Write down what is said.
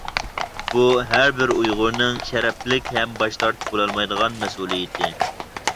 بۇ ھەربىر ئۇيغۇرنىڭ شەرەپلىك ھەم باش تارتىپ بولمايدىغان مەسئۇلىيىتى!